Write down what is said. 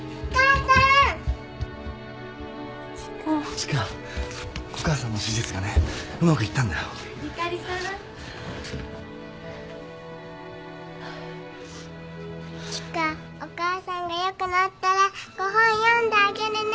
千賀お母さんがよくなったらご本読んであげるね。